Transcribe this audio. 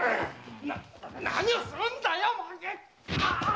何をするんだよ！